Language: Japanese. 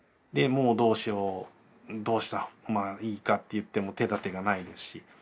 でもうどうしようどうしたらいいかっていっても手だてがないですし。